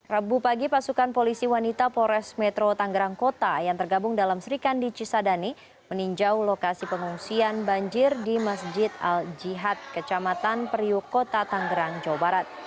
rabu pagi pasukan polisi wanita polres metro tanggerang kota yang tergabung dalam sri kandi cisadani meninjau lokasi pengungsian banjir di masjid al jihad kecamatan periuk kota tanggerang jawa barat